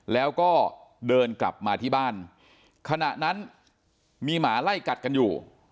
แล้วก็เดินกลับมาที่บ้านขณะนั้นมีหมาไล่กัดกันอยู่